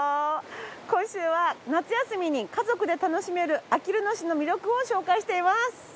今週は夏休みに家族で楽しめるあきる野市の魅力を紹介しています。